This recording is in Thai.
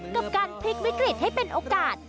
กับการพลิกวิกฤตให้เป็นโอกาส